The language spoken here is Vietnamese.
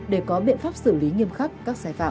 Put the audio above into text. để có biện pháp xử lý nghiêm khắc các sai phạm